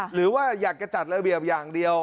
หรือว่าอยากจะจัดระเบียบอย่างเดียว